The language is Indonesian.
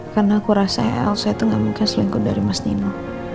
karena aku rasa elsa itu gak mungkin selingkuh dari mas nino